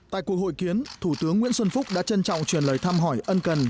tại cuộc hội kiến thủ tướng nguyễn xuân phúc đã trân trọng truyền lời thăm hỏi ân cần